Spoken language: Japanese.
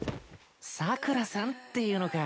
サクラさんっていうのか。